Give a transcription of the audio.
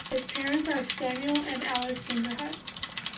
His parents are Samuel and Alice Fingerhut.